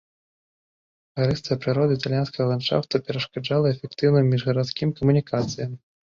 Гарыстая прырода італьянскага ландшафту перашкаджала эфектыўным міжгарадскім камунікацыям.